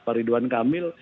pak ridwan kamil